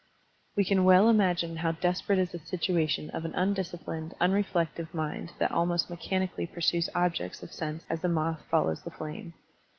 We can well imagine how desperate is the situation of an undisciplined, unreflective mind that almost mechanically pursues objects of sense as the moth follows the flame.